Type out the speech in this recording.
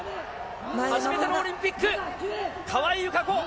初めてのオリンピック、川井友香子。